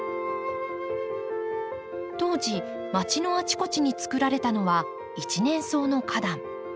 当時まちのあちこちにつくられたのは一年草の花壇。